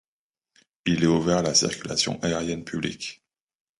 Il est ouvert à la circulation aérienne publique.